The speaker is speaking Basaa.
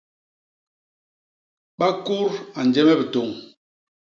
Bakut a nje me bitôñ.